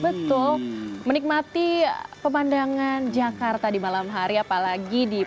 betul menikmati pemandangan jakarta di malam hari apalagi di